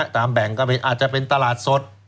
ตามแบ่งอาจจะเป็นตลาดสด